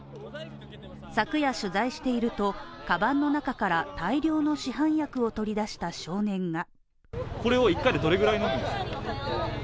昨夜取材していると、カバンの中から大量の市販薬を取り出した少年が。